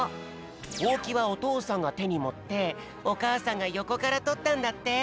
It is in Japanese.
ほうきはおとうさんがてにもっておかあさんがよこからとったんだって。